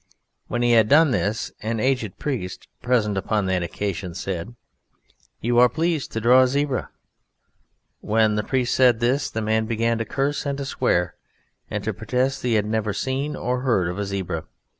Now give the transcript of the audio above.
When he had done this, an aged priest (present upon that occasion) said, "You are pleased to draw a zebra." When the priest said this the man began to curse and to swear, and to protest that he had never seen or heard of a zebra.